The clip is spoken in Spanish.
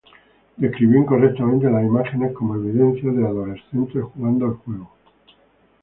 Describió incorrectamente las imágenes como evidencia de adolescentes jugando el juego.